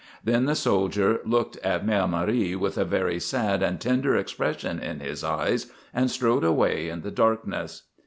Then the soldier looked at Mère Marie with a very sad and tender expression in his eyes and strode away in the darkness.